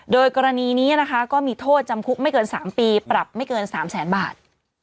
โดยกรณีนี้นะคะก็มีโทษจำคุกไม่เกิน๓ปีปรับไม่เกิน๓แสนบาท